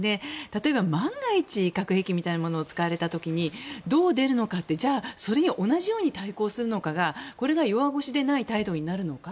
例えば、万が一核兵器みたいなものが使われた時にどう出るのかってじゃあ、それに同じように対抗するのかが弱腰でない態度になるのか。